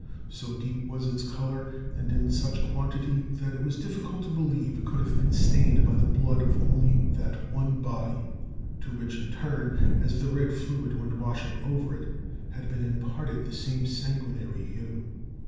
So deep was it in colour, and in such quantity, that it was difficult to believe it could have been stained by the blood of only that one body, to which in turn, as the red fluid went washing over it, had been imparted the same sanguinary hue.